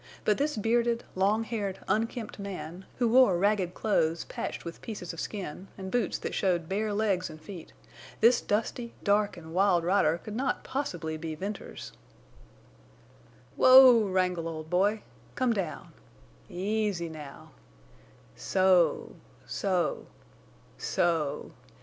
But this bearded, longhaired, unkempt man, who wore ragged clothes patched with pieces of skin, and boots that showed bare legs and feet—this dusty, dark, and wild rider could not possibly be Venters. "Whoa, Wrangle, old boy! Come down. Easy now. So—so—so.